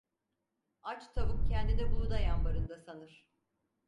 Aç tavuk kendini buğday ambarında sanır.